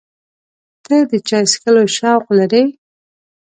ته د چای څښلو شوق لرې؟